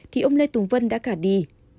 thì ông lê tùng vân đã cả đi